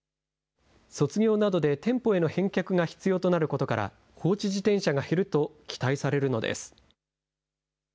卒業などで店舗への返却が必要となることから、放置自転車が減ると期待されるのです。